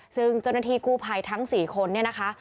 ซึ่งเจ้าหน้าที่กู้ภัยทั้ง๔คนเนี่ยนะคะ